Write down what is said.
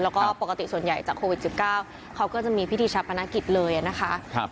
แล้วก็ปกติส่วนใหญ่จากโควิด๑๙เขาก็จะมีพิธีชาปนกิจเลยนะคะ